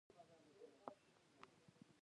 آیا د کثافاتو مدیریت کیږي؟